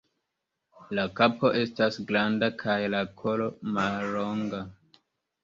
La kapo estas granda kaj la kolo mallonga.